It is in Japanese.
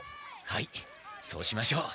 はいそうしましょう。